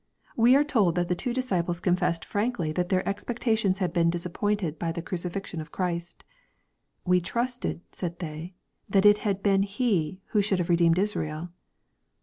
We are told that the two disciples confessed frankly that their expectations had been disappointed by the cruci fixion of Christ. " We trusted/' said they, *^ that it had been He who should have redeemed Israel."